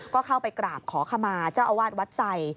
ก็เข้าไปกราบขอขมาเจ้าอาวาสวัดไส